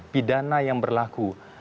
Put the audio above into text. pidana yang berlaku